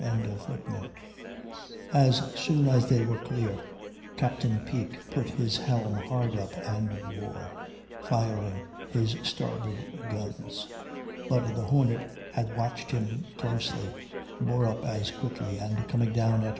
] As soon as they were clear, Captain Peake put his helm hard up and wore, firing his starboard guns; but the Hornet had watched him closely, bore up as quickly, and coming down at 5.